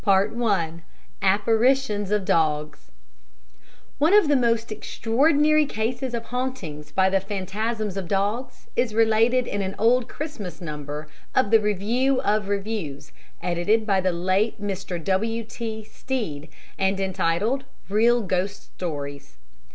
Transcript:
CHAPTER II APPARITIONS OF DOGS One of the most extraordinary cases of hauntings by the phantasms of dogs is related in an old Christmas number of the Review of Reviews, edited by the late Mr. W.T. Stead, and entitled "Real Ghost Stories."